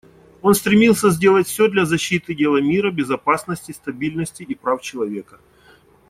Он стремился сделать все для защиты дела мира, безопасности, стабильности и прав человека.